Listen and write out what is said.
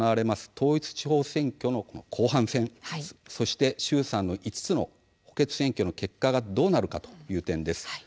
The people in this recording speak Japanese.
統一地方選挙の後半戦そして衆参の５つの補欠選挙の結果がどうなるかという点です。